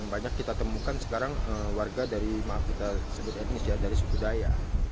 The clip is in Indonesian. banyak kita temukan sekarang warga dari maaf kita sebut etnis ya dari suku daya